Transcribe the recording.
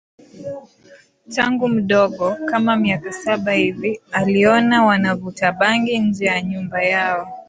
tangu mdogo kama miaka saba hivi aliona wanavuta bangi nje ya nyumba yao